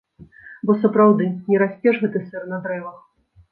Бо сапраўды, не расце ж гэты сыр на дрэвах?